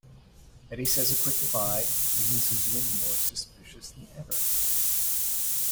Betty says a quick goodbye, leaving Susan more suspicious than ever.